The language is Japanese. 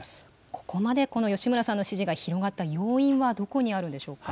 ここまで、この吉村さんの支持が広がった要因はどこにあるんでしょうか。